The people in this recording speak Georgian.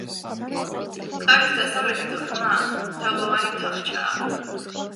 კარის დასავლეთით ღრმა თაღოვანი თახჩაა.